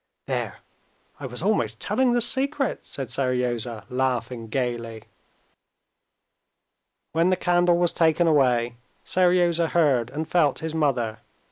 There! I was almost telling the secret!" said Seryozha, laughing gaily. When the candle was taken away, Seryozha heard and felt his mother.